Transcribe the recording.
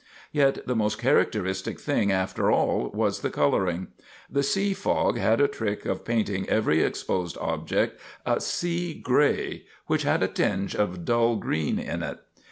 Yet the most characteristic thing after all was the coloring. The sea fog had a trick of painting every exposed object a sea gray which had a tinge of dull green in it.